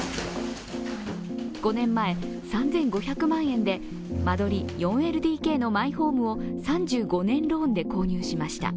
５年前、３５００万円で間取り４ＬＤＫのマイホームを３５年ローンで購入しました。